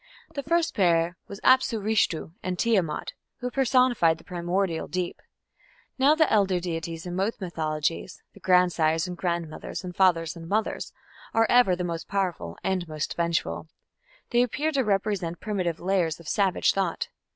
The first pair was Apsu Rishtu and Tiamat, who personified the primordial deep. Now the elder deities in most mythologies the "grandsires" and "grandmothers" and "fathers" and "mothers" are ever the most powerful and most vengeful. They appear to represent primitive "layers" of savage thought.